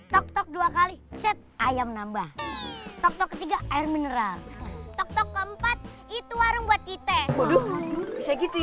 tok domain tiga air mineral tapi keempat ituacco dulu flexi loans